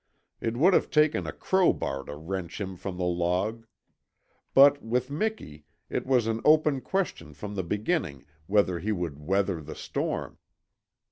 It would have taken a crowbar to wrench him from the log. But with Miki it was an open question from the beginning whether he would weather the storm.